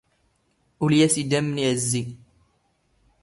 ⵓⵍⵉ ⴰⵙ ⵉⴷⴰⵎⵎⵏ ⵉ ⵄⵣⵣⵉ.